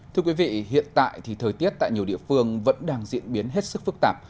thưa quý vị hiện tại thì thời tiết tại nhiều địa phương vẫn đang diễn biến hết sức phức tạp